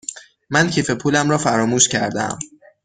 من کیف پولم را فراموش کرده ام.